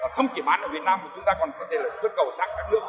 không chỉ bán ở việt nam mà chúng ta còn có thể là